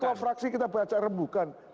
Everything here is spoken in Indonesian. semua dekorasi kita baca rebukan